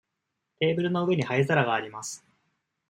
テーブルの上に灰皿があります。